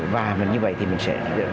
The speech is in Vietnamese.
và như vậy thì mình sẽ